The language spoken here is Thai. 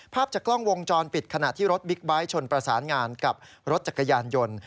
ภาพจากกล้องวงจรปิดขณะที่รถบิ๊กไบท์ชนประสานงานกับรถจักรยานยนต์